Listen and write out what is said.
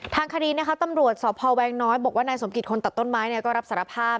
ทางคดีนะคะตำรวจสพแวงน้อยบอกว่านายสมกิจคนตัดต้นไม้ก็รับสารภาพ